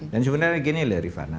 dan sebenarnya gini loh rifana